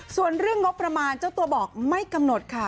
ส่วนเรื่องงบประมาณเจ้าตัวบอกไม่กำหนดค่ะ